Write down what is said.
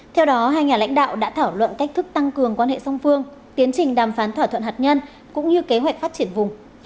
theo đó hai nhà lãnh đạo đã thảo luận cách thức tăng cường quan hệ song phương tiến trình đàm phán thỏa thuận hạt nhân cũng như kế hoạch phát triển vùng